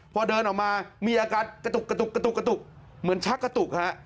พอเดินออกมามีอาการกระตุกเหมือนชักกระตุกฮะ